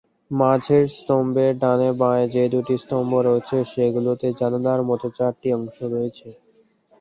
মাঝের স্তম্ভের ডানে-বাঁয়ে যে দুটি স্তম্ভ রয়েছে, সেগুলোতে জানালার মতো চারটি অংশ রয়েছে।